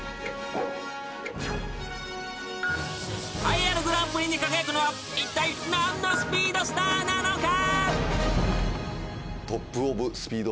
［栄えあるグランプリに輝くのはいったい何のスピードスターなのか］